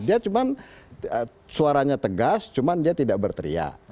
dia cuma suaranya tegas cuma dia tidak berteriak